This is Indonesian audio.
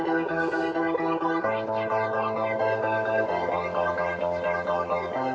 kisah kisah yang terbaik di wilayah bogor selatan